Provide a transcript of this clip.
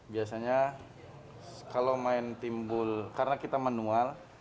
biasanya kalau main timbul karena kita manual